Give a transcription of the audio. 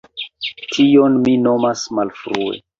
Tion mi nomas malfrue.